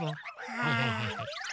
はいはいはいはい。